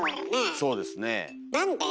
そうですねえ。